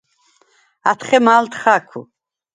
ათხე მა̄ლდ ხა̄̈ქუ̂: